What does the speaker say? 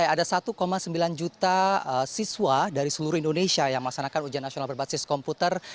ada satu sembilan juta siswa dari seluruh indonesia yang melaksanakan ujian nasional berbasis komputer